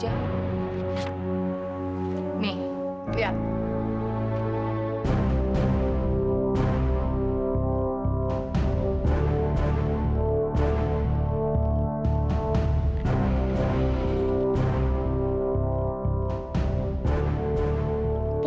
jadi itu caranya aku